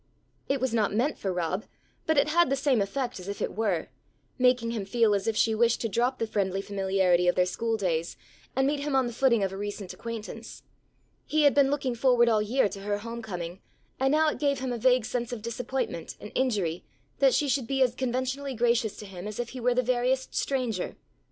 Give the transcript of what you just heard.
It was not meant for Rob but it had the same effect as if it were, making him feel as if she wished to drop the friendly familiarity of their school days, and meet him on the footing of a recent acquaintance. He had been looking forward all year to her home coming, and now it gave him a vague sense of disappointment and injury, that she should be as conventionally gracious to him as if he were the veriest stranger.